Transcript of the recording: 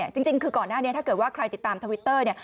จริงคือก่อนหน้านี้ถ้าเกิดว่าใครติดตามทวิตเตอร์เนี่ย